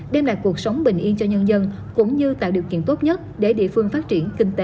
đem lại cuộc sống bình yên cho nhân dân cũng như tạo điều kiện tốt nhất để địa phương phát triển kinh tế